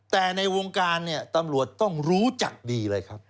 แต่ในวงการเนี่ยตำรวจต้องรู้จักดีเลยครับ